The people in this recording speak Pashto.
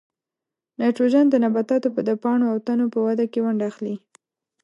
نایتروجن د نباتاتو د پاڼو او تنو په وده کې ونډه اخلي.